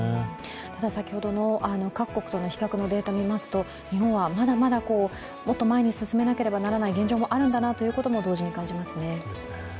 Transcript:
ただ先ほどの各国との比較のデータを見ますと日本はまだまだもっと前に進めなければいけない現状もあるんだなと同時に感じますね。